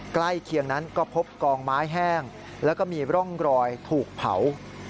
ใกล้เคียงนั้นก็พบกองไม้แห้งแล้วก็มีร่องรอยถูกเผา